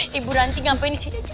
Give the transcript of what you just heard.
hei ibu ranti ngapain di sini aja